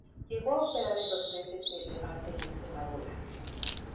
Llegó a operar en los frentes de Levante y Extremadura.